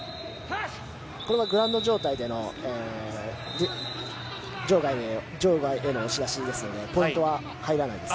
グラウンド状態での場外への押し出しですのでポイントは入らないです。